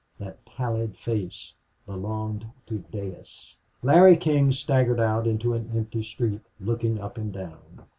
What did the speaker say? That pallid face belonged to Dayss. Larry King staggered out into an empty street, looking up and down.